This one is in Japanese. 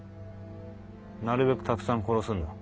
なるべくたくさん殺すんだ。